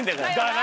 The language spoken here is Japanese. な